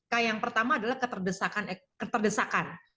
k yang pertama adalah keterdesakan